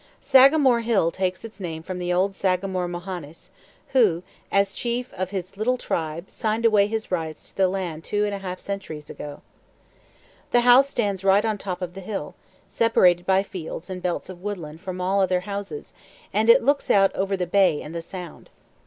Sagamore Hill takes its name from the old Sagamore Mohannis, who, as chief of his little tribe, signed away his rights to the land two centuries and a half ago. The house stands right on the top of the hill, separated by fields and belts of woodland from all other houses, and looks out over the bay and the Sound.